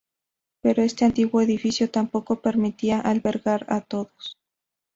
Pero este antiguo edificio tampoco permitía albergar a todos.